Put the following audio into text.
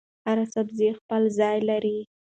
هر سبزي خپل ځای لري.